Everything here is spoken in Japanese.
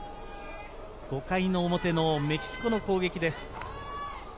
５回の表のメキシコの攻撃です。